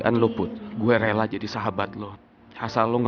kalo suatu saat nanti lo ada masalah